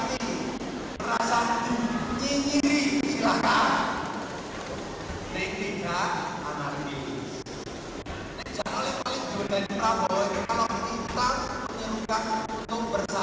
itu sudah incentives goedai prabowo jadi kita menyebutkan undung bersatu